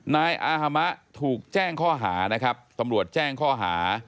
นายอาฮามะถูกแจ้งข้อหานะครับตำรวจแจ้งข้อหา